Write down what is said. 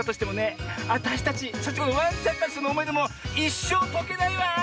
あたしたちそしてこのワンちゃんたちとのおもいでもいっしょうとけないわ！